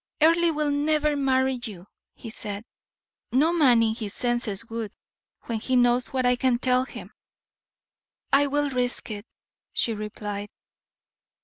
"Earle will never marry you," he said; "no man in his senses would, when he knows what I can tell him." "I will risk it," she replied.